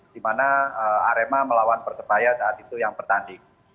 di mana arema melawan persebaya saat itu yang bertanding